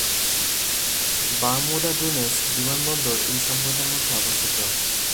Bermuda ডুনেস বিমানবন্দর এই সম্প্রদায়ের মধ্যে অবস্থিত।